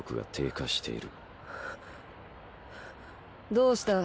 どうした？